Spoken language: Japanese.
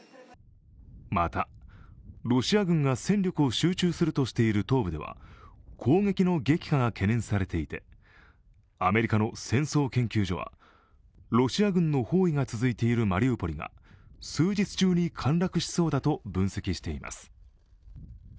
またロシア軍が戦力を集中するとしている東部では攻撃の激化が懸念されていてアメリカの戦争研究所はロシア軍の包囲が続いているマリウポリが数日中に陥落しそうだと分析しています。